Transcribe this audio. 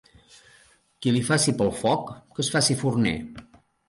Qui li faci por el foc, que es faci forner.